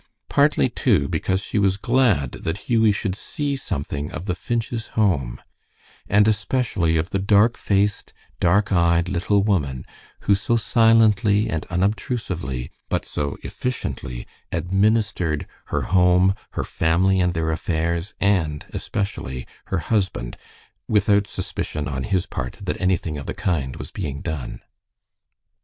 Partly, too, because she was glad that Hughie should see something of the Finch's home, and especially of the dark faced, dark eyed little woman who so silently and unobtrusively, but so efficiently, administered her home, her family, and their affairs, and especially her husband, without suspicion on his part that anything of the kind was being done.